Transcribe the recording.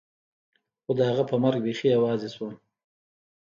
خو د هغه په مرګ بيخي يوازې سوم.